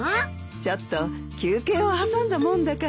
ちょっと休憩を挟んだもんだから。